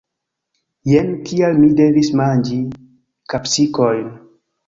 Jen kial mi devis manĝi kapsikojn.